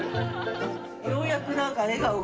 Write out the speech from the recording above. ようやく何か笑顔が。